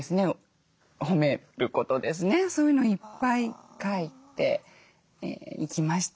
そういうのをいっぱい書いていきました。